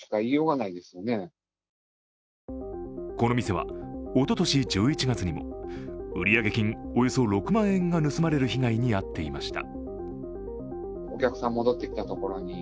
この店はおととし１１月にも売上金およそ６万円が盗まれる被害に遭っていました。